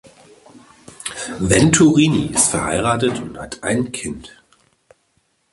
Venturini ist verheiratet und hat ein Kind.